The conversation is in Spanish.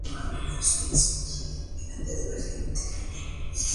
Existe además un segundo personaje que podremos controlar en algunas partes del juego.